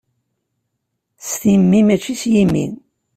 S timmi, mačči s yimi.